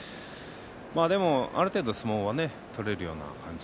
でも、ある程度相撲は取れるような感じ